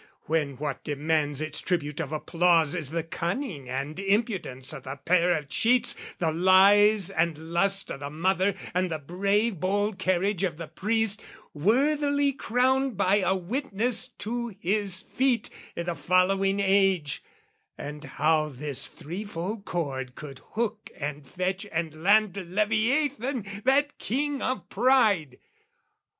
When what demands its tribute of applause Is the cunning and impudence o' the pair of cheats, The lies and lust o' the mother, and the brave Bold carriage of the priest, worthily crowned By a witness to his feat i' the following age, And how this three fold cord could hook and fetch And land leviathan that king of pride!